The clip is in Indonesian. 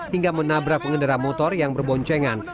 hingga menabrak pengendara motor yang berboncengan